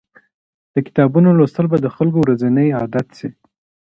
د کتابونو لوستل به د خلګو ورځنی عادت سي.